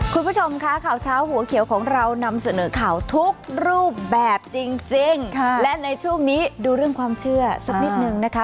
คุณผู้ชมค่ะข่าวเช้าหัวเขียวของเรานำเสนอข่าวทุกรูปแบบจริงและในช่วงนี้ดูเรื่องความเชื่อสักนิดนึงนะคะ